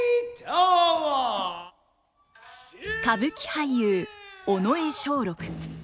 歌舞伎俳優尾上松緑。